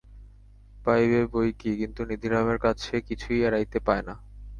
পাইবে বৈকি, কিন্তু নিধিরামের কাছে কিছুই এড়াইতে পায় না।